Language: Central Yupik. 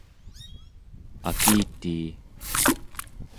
akitii